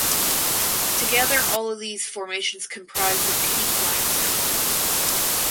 Together all of these formations comprise the Peak Limestone Group.